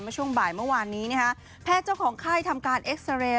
ช่วงบ่ายเมื่อวานนี้แพทย์เจ้าของไข้ทำการเอ็กซาเรย์